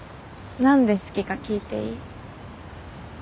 何で好きか聞いていい？